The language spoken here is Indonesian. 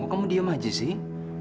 kok kamu diam aja sih